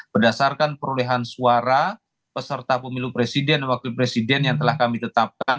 berdasarkan perolehan suara peserta pemilu presiden dan wakil presiden yang telah kami tetapkan